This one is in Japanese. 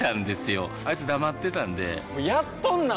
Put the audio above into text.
あいつ黙ってたんでやっとんなー！